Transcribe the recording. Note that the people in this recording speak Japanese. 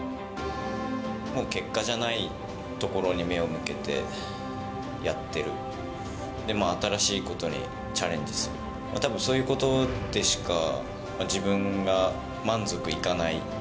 もう結果じゃないところに目を向けてやってる、でも新しいことにチャレンジする、たぶんそういうことでしか自分が満足いかない。